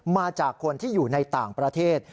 มาจากคนที่อยู่ในต่างประเทศ